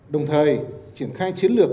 đồng thời triển khai chiến lược